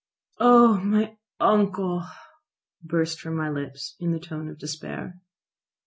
"Oh, my uncle!" burst from my lips in the tone of despair.